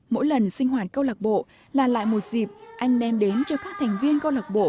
mỗi lần sinh hoạt câu lạc bộ là lại một dịp anh đem đến cho các thành viên câu lạc bộ